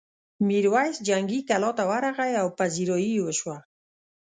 میرويس جنګي کلا ته ورغی او پذيرايي یې وشوه.